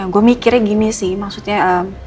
gue mikirnya gini sih maksudnya